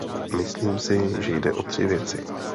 Myslím si, že jde o tři věci.